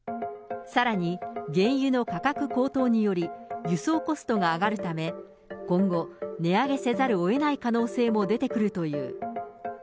さらに、原油の価格高騰により、輸送コストが上がるため、今後、値上げせざるをえない可能性も出てくるという。